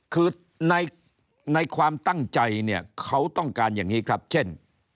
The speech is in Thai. คือในความตั้งใจเนี่ยเขาต้องการอย่างนี้ครับเช่น